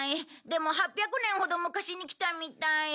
でも８００年ほど昔に来たみたい。